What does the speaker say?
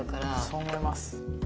そう思います。